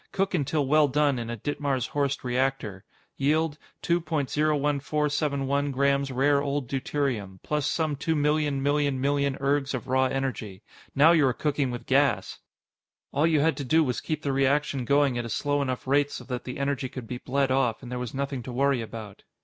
Cook until well done in a Ditmars Horst reactor. Yield: 2.01471 gms. rare old deuterium plus some two million million million ergs of raw energy. Now you are cooking with gas! All you had to do was keep the reaction going at a slow enough rate so that the energy could be bled off, and there was nothing to worry about.